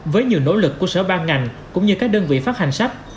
với nhiều nỗ lực của sở ban ngành cũng như các đơn vị phát hành sách